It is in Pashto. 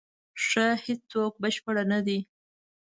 ښه، هیڅوک بشپړ نه دی.